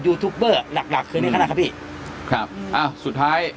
ยูทูปเบอร์หลักหลักคืนนี้ขนาดนั้นครับพี่ครับอ้าวสุดท้าย